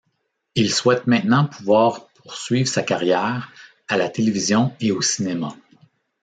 Il souhaite maintenant pouvoir poursuivre sa carrière à la télévision et au cinéma.